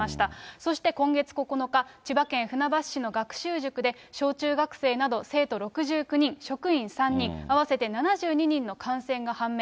そして今月９日、千葉県船橋市の学習塾で小中学生など生徒６９人、職員３人、合わせて７２人の感染が判明。